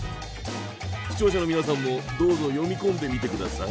視聴者の皆さんもどうぞ読み込んでみて下さい。